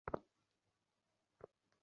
আপনাকে একটা প্রশ্ন করেছিলাম, স্যার!